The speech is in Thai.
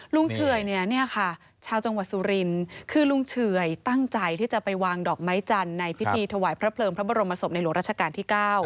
เฉื่อยเนี่ยค่ะชาวจังหวัดสุรินคือลุงเฉื่อยตั้งใจที่จะไปวางดอกไม้จันทร์ในพิธีถวายพระเพลิงพระบรมศพในหลวงราชการที่๙